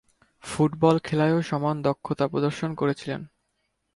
Football খেলায়ও সমান দক্ষতা প্রদর্শন করেছিলেন।